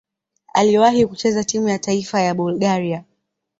Aliwahi kucheza timu ya taifa ya Bulgaria.